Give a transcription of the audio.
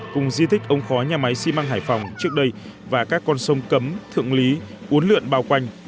cùng di thích ống khói nhà máy si măng hải phòng trước đây và các con sông cấm thượng lý uốn lượn bao quanh